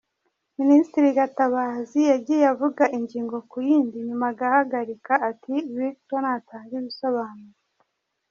Ministre Gatabazi yagiye avuga ingingo ku yindi, nyuma agahagarika ati Victor natange ibisobanuro.